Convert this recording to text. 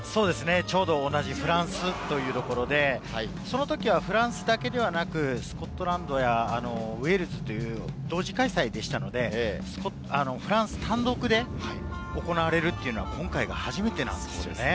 ちょうど同じフランスというところで、その時はフランスだけではなく、スコットランドやウェールズという同時開催でしたので、フランス単独で行われるというのは今回が初めてなんですよね。